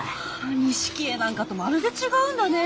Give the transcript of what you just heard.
錦絵なんかとまるで違うんだね！